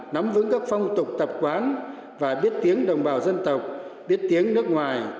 nắm vững các phong tục tập quán và biết tiếng đồng bào dân tộc biết tiếng nước ngoài